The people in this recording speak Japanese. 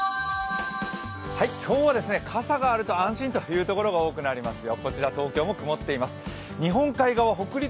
今日は傘があると安心という所が多くなりますよ。